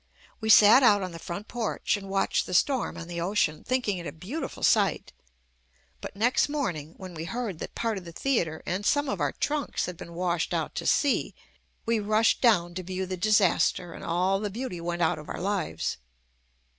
We sat out on the front porch and watched the storm on the ocean, thinking it a beautiful sight, but next morning when we heard that part of the theatre and some of our trunks had been washed out to sea, we rushed down to view the disaster and all the beauty went out of our lives.